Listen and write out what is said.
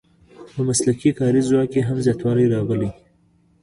په مسلکي کاري ځواک کې هم زیاتوالی راغلی.